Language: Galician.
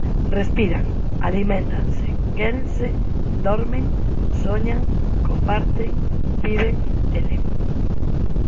Respiran, aliméntanse, quérense, dormen, soñan, comparten, viven e len.